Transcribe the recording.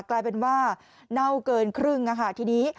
กลายเป็นว่าเน่าเกินครึ่งทีนี้